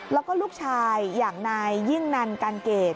แล้วก็ลูกชายอย่างนายยิ่งนันการเกรด